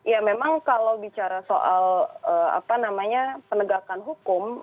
ya memang kalau bicara soal penegakan hukum